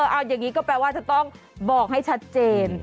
เอาอย่างนี้ก็แปลว่าจะต้องบอกให้ชัดเจน